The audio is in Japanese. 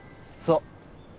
そう。